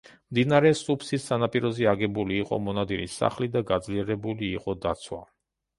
მდინარე სუფსის სანაპიროზე აგებული იყო მონადირის სახლი და გაძლიერებული იყო დაცვა.